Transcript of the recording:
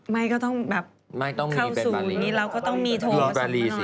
ไม่ก็ต้องแบบเข้าสู่เราก็ต้องมีโทสักหน่อย